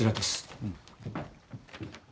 うん。